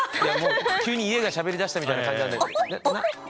急に家がしゃべりだしたみたいな感じなんだけど。